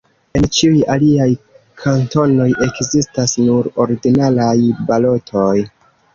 En ĉiuj aliaj kantonoj ekzistas nur ordinaraj balotoj.